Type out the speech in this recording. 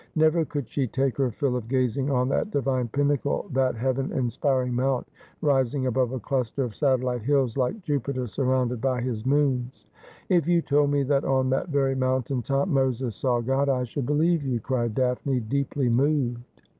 Never could she take her fill of gazing on that divine pinnacle, that heaven aspiring mount, rising above a cluster of satellite hills, like Jupiter surrounded by his moons. ' If you told me that on that very mountain top Moses saw God, I should believe you,' cried Daphne, deeply moved.